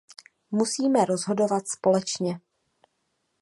Musíme rozhodovat společně.